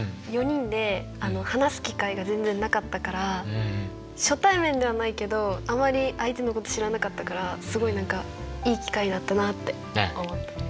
４人で話す機会が全然なかったから初対面ではないけどあまり相手のこと知らなかったからすごい何かいい機会だったなって思った。